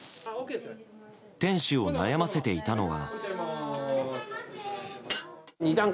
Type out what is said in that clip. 店主を悩ませていたのは。